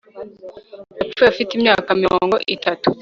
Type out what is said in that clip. Yapfuye afite imyaka mirongo itatu